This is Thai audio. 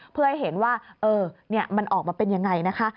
เพื่อให้เห็นว่ามันออกมาเป็นยังไงนะคะ